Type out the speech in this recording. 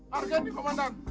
harga nih komandan